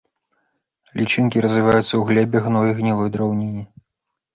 Лічынкі развіваюцца ў глебе, гноі і гнілой драўніне.